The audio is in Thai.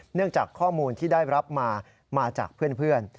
เนื่องจากข้อมูลที่ได้รับมามาจากเพื่อน